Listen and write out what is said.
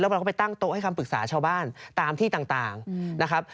เราก็ไปตั้งโต๊ะให้คำปรึกษาชาวบ้านตามที่ต่างนะครับ